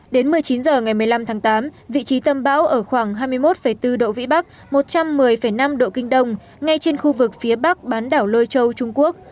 đến một mươi chín h ngày một mươi năm tháng tám vị trí tâm bão ở khoảng hai mươi một bốn độ vĩ bắc một trăm một mươi năm độ kinh đông ngay trên khu vực phía bắc bán đảo lôi châu trung quốc